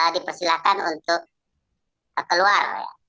dipersilahkan untuk keluar